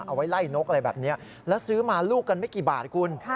เอาไว้ไล่นกอะไรแบบนี้แล้วซื้อมาลูกกันไม่กี่บาทคุณ